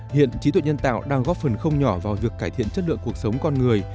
hiện trí tuệ nhân tạo đang góp phần không nhỏ vào việc cải thiện chất lượng cuộc sống con người